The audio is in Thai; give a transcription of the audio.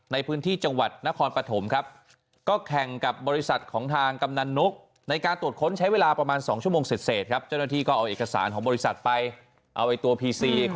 ในพื้นที่จังหวัดนครปะถมครับก็แข่งกับบริษัทของทางกำนันนุ๊ก